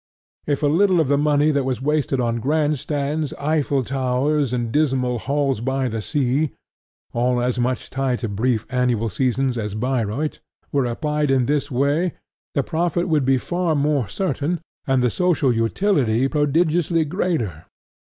If a little of the money that is wasted on grand stands, Eiffel towers, and dismal Halls by the Sea, all as much tied to brief annual seasons as Bayreuth, were applied in this way, the profit would be far more certain and the social utility prodigiously greater.